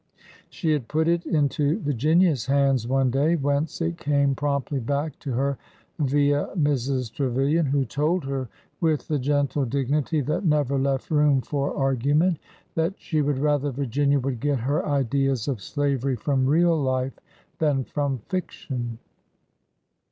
She had put it into Virginia's hands one day, whence it came promptly back to her via Mrs. Trevilian, who told her, with the gentle dignity that never left room for ar gument, that she would rather Virginia would get her ideas of slavery from real life than from fiction.